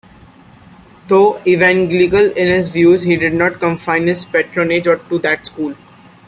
Though Evangelical in his views he did not confine his patronage to that school.